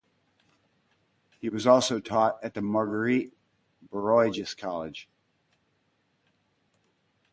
He also taught at the Marguerite Bourgeoys College.